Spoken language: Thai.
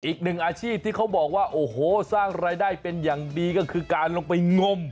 อีกหนึ่งอาชีพที่เขาบอกว่าโอ้โหสร้างรายได้เป็นอย่างดีก็คือการลงไปงม